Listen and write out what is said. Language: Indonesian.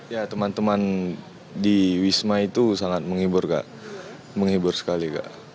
ya teman teman di wisma itu sangat menghibur kak menghibur sekali kak